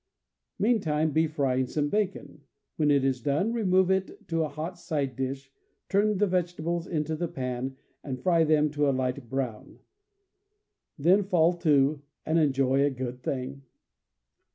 Mean time be frying some bacon. When it is done, remove it to a hot side dish, turn the vegetables into the pan, and fry them to a light brown. Then fall to, and enjoy a good thing!